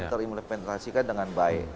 diimplementasikan dengan baik